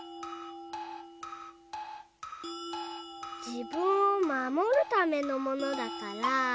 じぶんをまもるためのものだから。